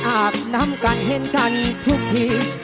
อาบน้ำกันเห็นกันทุกที